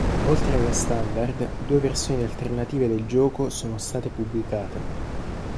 Oltre alla standard, due versioni alternative del gioco sono state pubblicate.